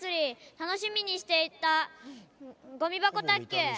楽しみにしていた、ゴミ箱卓球。